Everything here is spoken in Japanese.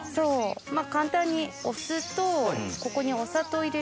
まぁ簡単にお酢とここにお砂糖入れるんです。